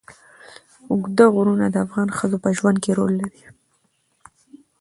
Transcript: اوږده غرونه د افغان ښځو په ژوند کې رول لري.